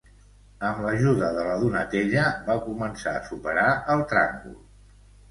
Amb l'ajuda de la Donatella, va començar a superar el tràngol.